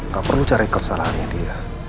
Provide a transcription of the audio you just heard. gak perlu cari kesalahannya dia